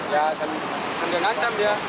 ya sambil mengancam dia